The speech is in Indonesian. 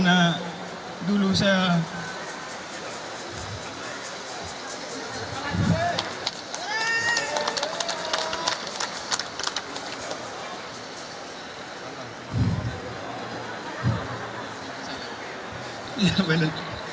sebenarnya dulu saya